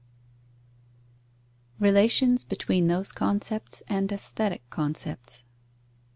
_Relations between those concepts and aesthetic concepts.